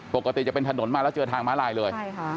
ปกติจะเป็นถนนมาแล้วเจอทางม้าลายเลย